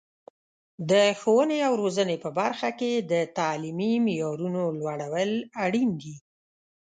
د ښوونې او روزنې په برخه کې د تعلیمي معیارونو لوړول اړین دي.